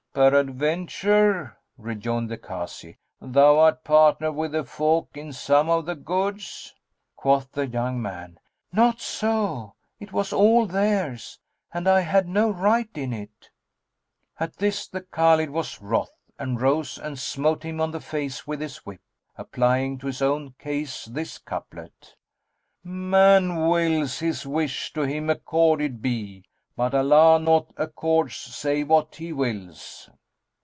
"Peradventure," rejoined the Kazi "thou art partner with the folk in some of the goods?" Quoth the young man; "Not so: it was all theirs, and I had no right in it." At this the Khбlid was wroth and rose and smote him on the face with his whip, applying to his own case this couplet, "Man wills his wish to him accorded be; * But Allah naught accords save what He wills."